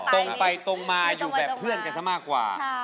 ตรงไปตรงมาอยู่แบบเพื่อนกันซะมากกว่า